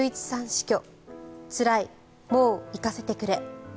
死去つらい、もう逝かせてくれ。